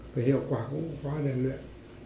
phải hiệu quả cũng quá rèn luyện